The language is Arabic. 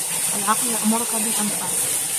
الْعَقْلُ يَأْمُرُك بِالْأَنْفَعِ